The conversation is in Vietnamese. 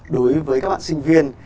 đối với các bạn sinh viên